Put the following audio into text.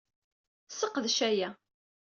Sseqdec aya.